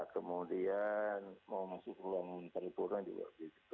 kemudian mau masuk ke ruang teripun juga